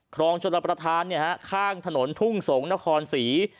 ครองชนประทานเนี่ยฮะข้างถนนทุ่งสงศ์นครศรี